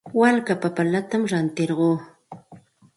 Walka papallatam rantirquu.